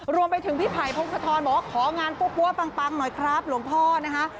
รวมไปถึงพี่ไผ่พงศธรบอกว่าของานปั้วปังหน่อยครับหลวงพ่อนะคะ